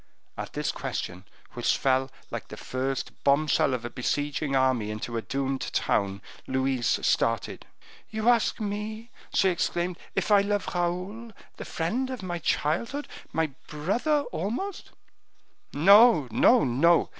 At this question, which fell like the first bombshell of a besieging army into a doomed town, Louise started. "You ask me," she exclaimed, "if I love Raoul, the friend of my childhood, my brother almost?" "No, no, no!